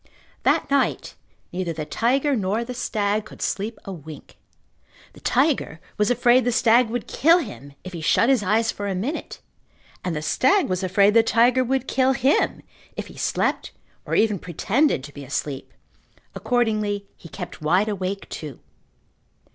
That night neither the tiger nor the stag could sleep a wink. The tiger was afraid the stag would kill him if he shut his eyes for a minute, and the stag was afraid the tiger would kill him if he slept or even pretended to be asleep. Accordingly he kept wide awake too.